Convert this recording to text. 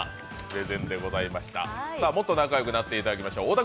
もっと仲よくなっていただきましょう。